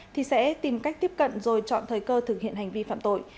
thì sẽ tìm cách tiếp cận rồi chọn thời cơ thực hiện hành vi phạm tội